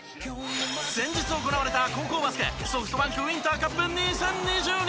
先日行われた高校バスケＳｏｆｔＢａｎｋウインターカップ２０２２。